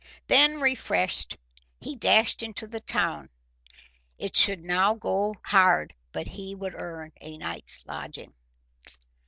Then, refreshed, he dashed into the town. It should now go hard but he would earn a night's lodging.